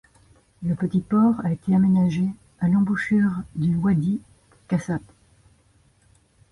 Le petit port a été aménagé à l'embouchure du Wadi Khasab.